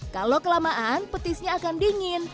kalau kelamaan petisnya akan dingin